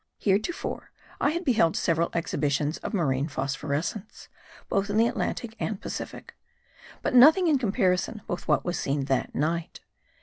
Heretofore, I had beheld several exhibitions of ma rine phosphorescence, both in the Atlantic and Pacific. But nothing in comparison with what was seen that night.